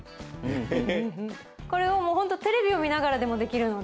これもうホントテレビをみながらでもできるので。